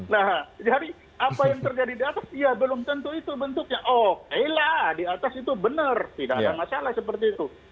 nah jadi apa yang terjadi di atas ya belum tentu itu bentuknya oke lah di atas itu benar tidak ada masalah seperti itu